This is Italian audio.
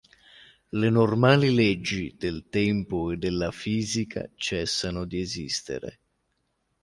Le normali leggi del tempo e della fisica cessano di esistere.